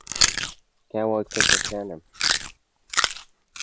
käwagt köşeşýänem